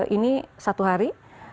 ini satu hari